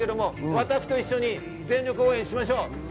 私と一緒に全力応援しましょう。